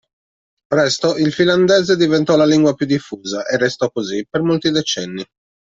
Presto il finlandese diventò la lingua più diffusa, e restò così per molti decenni.